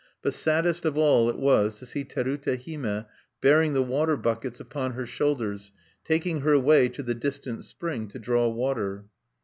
But saddest of all it was to see Terute Hime bearing the water buckets upon her shoulders, taking her way to the distant spring to draw water.